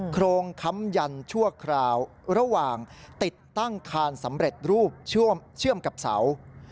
โครงค้ำยันชั่วคราวระหว่างติดตั้งคานสำเร็จรูปเชื่อมกับเสา